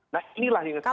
nah inilah yang sebenarnya